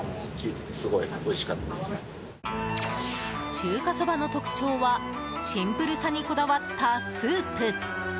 中華そばの特徴は、シンプルさにこだわったスープ。